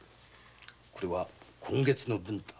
これは今月の分だ。